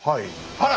あら！